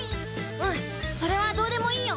うんそれはどうでもいいよ。